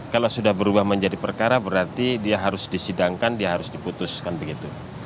kalau sudah berubah menjadi perkara berarti dia harus disidangkan dia harus diputuskan begitu